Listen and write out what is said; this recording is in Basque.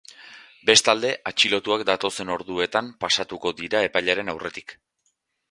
Bestalde, atxilotuak datozen orduetan pasatuko dira epailearen aurretik.